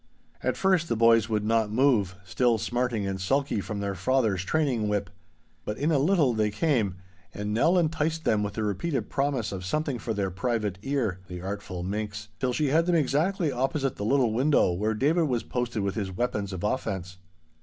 At first the boys would not move, still smarting and sulky from their father's training whip. But in a little they came, and Nell enticed them with the repeated promise of 'something for their private ear' (the artful minx!), till she had them exactly opposite the little window where David was posted with his weapons of offence.